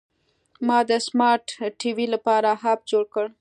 ما د سمارټ ټي وي لپاره اپ جوړ کړ.